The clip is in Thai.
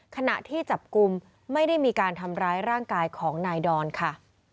ขณะที่จับกลุ่มไม่ได้มีการทำร้ายร่างกายของนายดอนค่ะ